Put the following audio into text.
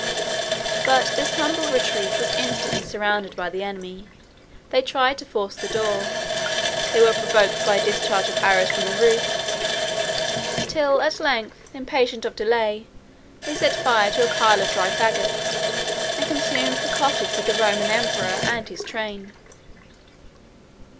But this humble retreat was instantly surrounded by the enemy: they tried to force the door, they were provoked by a discharge of arrows from the roof, till at length, impatient of delay, they set fire to a pile of dry magots, and consumed the cottage with the Roman emperor and his train.